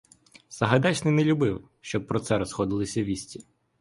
Сагайдачний не любив, щоб про це розходилися вісті.